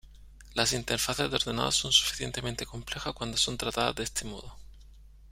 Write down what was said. Las Interfaces de ordenador son suficientemente complejas cuando son tratadas de este modo.